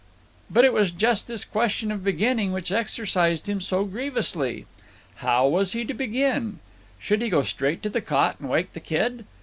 But it was just this question of beginning which exercised him so grievously. How was he to begin? Should he go straight to the cot and wake the kid?